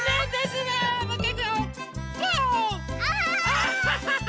アハハハ！